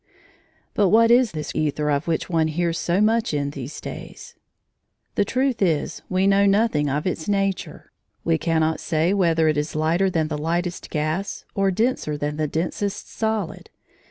But what is this æther of which one hears so much in these days? The truth is we know nothing of its nature. We cannot say whether it is lighter than the lightest gas or denser than the densest solid.